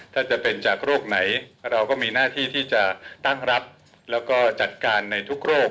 ถ้าจะเป็นจากโรคไหนเราก็มีหน้าที่ที่จะตั้งรับแล้วก็จัดการในทุกโรค